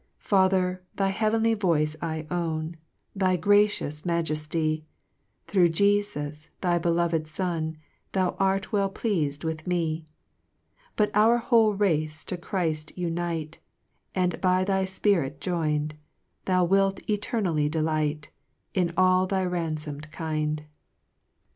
2 Father, thy heavenly voice I own, Thy gracious majefty ; Thro' Jefus, thy beloved Son, Thou art well pleas'd with me ! 4 But our whole race to Chrift unite, And by thy Spirit join'd, Thou wilt eternally delight In aU thy ranfom'd kind.